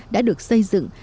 đã được xây dựng